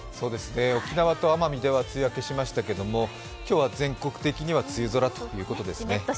沖縄と奄美では梅雨明けしましたけど今日は全国的には梅雨空ということですね。